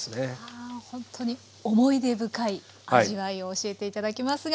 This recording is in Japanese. ほんとに思い出深い味わいを教えて頂きますが。